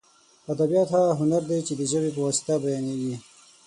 ادبیات هغه هنر دی چې د ژبې په واسطه بیانېږي.